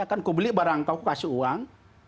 aku beli barang kau aku kasih uang